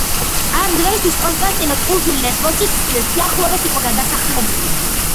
ამ დროსათვის, კონსტანტინე კუნძულ ლესბოსის სიახლოვეს იყო გადასახლებული.